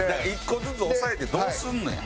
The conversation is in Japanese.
１個ずつ押さえてどうすんねん？